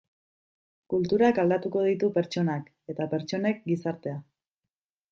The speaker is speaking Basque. Kulturak aldatuko ditu pertsonak eta pertsonek gizartea.